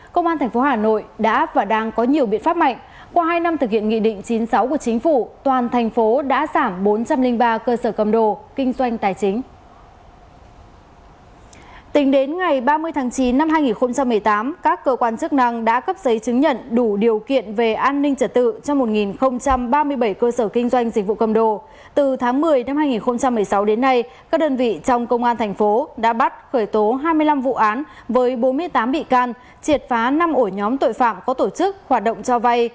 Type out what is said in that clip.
từ tháng một mươi năm hai nghìn một mươi sáu đến nay các đơn vị trong công an thành phố đã bắt khởi tố hai mươi năm vụ án với bốn mươi tám bị can triệt phá năm ổ nhóm tội phạm có tổ chức hoạt động cho vay